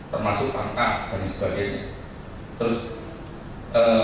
termasuk angka dan sebagainya